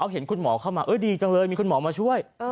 เห็นคุณหมอเข้ามาดีจังเลยมีคุณหมอมาช่วย